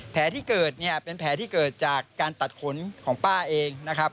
ที่เกิดเนี่ยเป็นแผลที่เกิดจากการตัดขนของป้าเองนะครับ